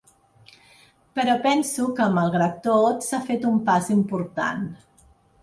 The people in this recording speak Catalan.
Però penso que, malgrat tot, s’ha fet un pas important.